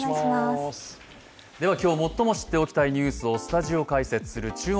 今日、最も知っておきたいニュースをスタジオ解説する「注目！